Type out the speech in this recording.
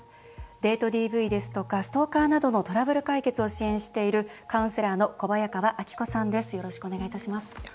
デートＤＶですとかストーカーなどのトラブル解決を支援しているカウンセラーの小早川明子さんです。